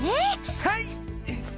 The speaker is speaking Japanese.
はい！